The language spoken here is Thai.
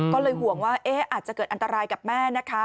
ก็เลยห่วงว่าอาจจะเกิดอันตรายกับแม่นะคะ